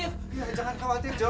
iya jangan khawatir jo